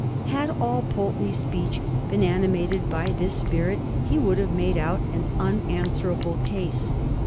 ' Had all Pulteney's speech been animated by this spirit he would have made out an unanswerable case.